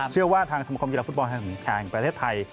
เชื่อว่าทางสมคมกีฬาฟุตบอลแห่งประเทศไทย